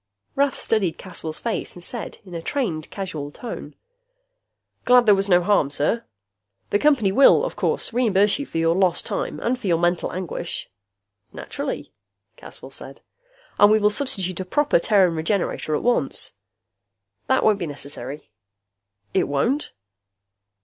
Rath studied Caswell's face and said, in a trained, casual tone, "Glad there was no harm, sir. The Company will, of course, reimburse you for your lost time and for your mental anguish " "Naturally," Caswell said. " and we will substitute a proper Terran Regenerator at once." "That won't be necessary." "It won't?"